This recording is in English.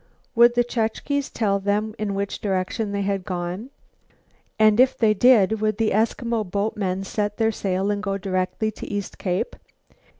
Would the Chukches tell them in which direction they had gone? And if they did, would the Eskimo boatmen set their sail and go directly to East Cape?